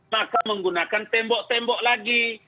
maka menggunakan tembok tembok lagi